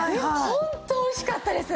本当おいしかったです。